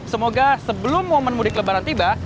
semoga sebelum momen mudik lebaran tiba